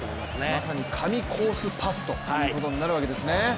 まさに神コースパスということになるわけですね。